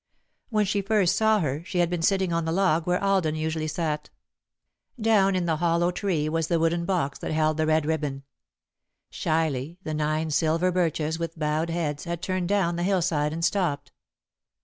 When she first saw her, she had been sitting on the log, where Alden usually sat. Down in the hollow tree was the wooden box that held the red ribbon. Shyly, the nine silver birches, with bowed heads, had turned down the hillside and stopped.